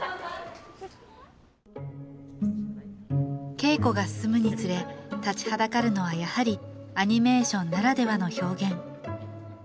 稽古が進むにつれ立ちはだかるのはやはりアニメーションならではの表現。